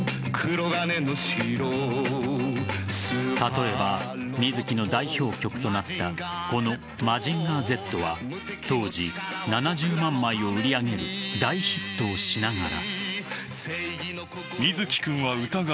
例えば、水木の代表曲となったこの「マジンガーＺ」は当時７０万枚を売り上げる大ヒットをしながら。